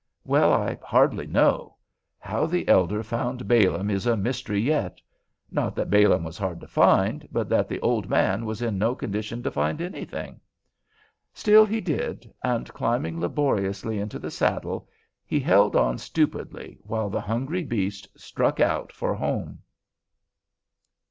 Well, I hardly know. How the elder found Balaam is a mystery yet: not that Balaam was hard to find, but that the old man was in no condition to find anything. Still he did, and climbing laboriously into the saddle, he held on stupidly while the hungry beast struck out for home.